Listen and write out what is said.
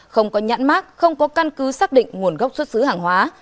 không có nhãn mát không có căn cứ xác định nguồn gốc xuất xứ hàng hóa